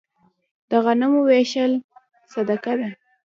د غنمو ویشل صدقه ده.